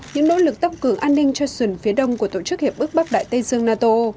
những nỗ lực tăng cường an ninh cho sườn phía đông của tổ chức hiệp ước bắc đại tây dương nato